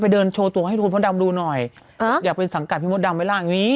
ไปเดินโชว์ตัวให้พี่บทดำดูหน่อยอยากไปสังกัดพี่บทดำไว้ล่างอย่างนี้